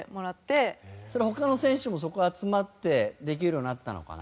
それ他の選手もそこ集まってできるようになったのかな？